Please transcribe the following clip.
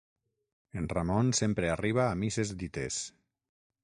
En Ramon sempre arriba a misses dites.